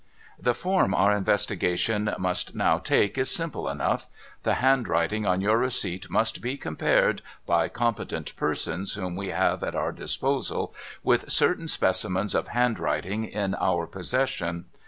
' The form our investigation must now take is simple enough. The handwriting on your receipt must be compared, by competent persons whom we have at our disposal, with certain specimens of handwriting in our possession.